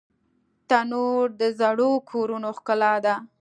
تنور د زړو کورونو ښکلا ده